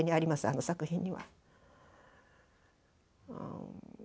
あの作品には。